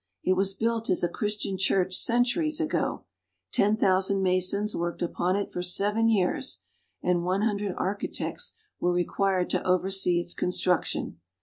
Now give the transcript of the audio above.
It was built as a Chris tian church centuries ago ; ten thousand masons worked upon it for seven years, and one hundred architects were required to oversee its construction.